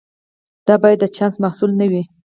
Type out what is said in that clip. دا باید د چانس محصول نه وي.